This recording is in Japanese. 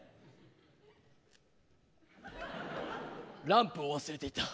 ランプを忘れていた。